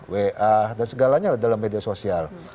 wa dan segalanya dalam media sosial